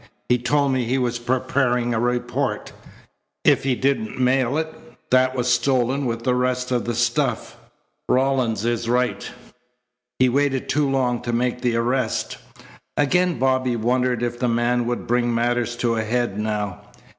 He told me he was preparing a report. If he didn't mail it, that was stolen with the rest of the stuff. Rawlins's right. He waited too long to make his arrest." Again Bobby wondered if the man would bring matters to a head now.